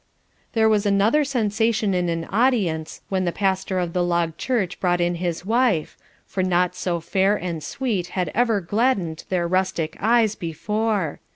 '" There was another sensation in an audience when the pastor of the log church brought in his wife, for naught so fair and sweet had ever gladdened their rustic eyes before.